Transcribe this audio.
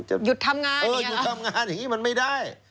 หยุดทำงานอย่างนี้มันไม่ได้